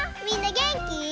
みんなげんき？